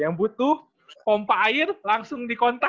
yang butuh pompa air langsung dikontak